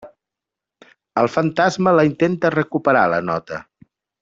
El fantasma la intenta recuperar la nota.